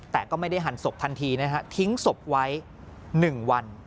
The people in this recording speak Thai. แต่ก็ไม่ได้หั่นศพทันทีนะฮะทิ้งศพไว้๑วัน